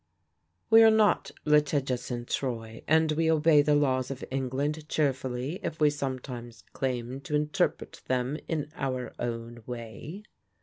We are not litigious in Troy, and we obey the laws of England cheerfully if we sometimes claim to interpret them in our own way.